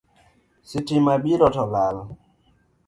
Sitima biro to lal